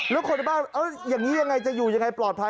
แล้วคนในบ้านอย่างนี้อย่างไรจะอยู่อย่างไรปลอดภัย